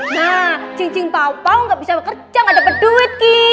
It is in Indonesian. nah cincin papau gak bisa bekerja gak dapat duit ki